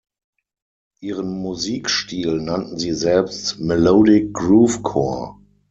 Ihren Musikstil nannten sie selbst „Melodic-Groove-Core“.